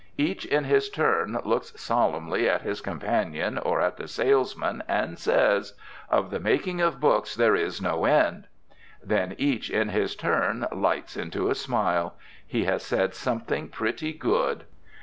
Each in his turn looks solemnly at his companion or at the salesman and says: "Of the making of books there is no end." Then each in his turn lights into a smile. He has said something pretty good.